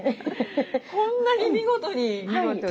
こんなに見事に！